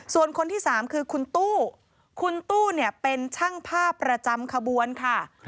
ส่วนคนที่สามคือคุณตู้คุณตู้เนี่ยเป็นช่างภาพประจำขบวนค่ะ